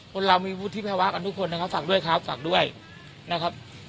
เรามีวุฒิภาวะกันทุกคนนะครับฝากด้วยครับฝากด้วยนะครับ